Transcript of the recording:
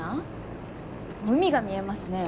海が見えますね。